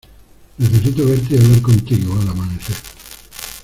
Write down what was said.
necesito verte y hablar contigo. al amanecer .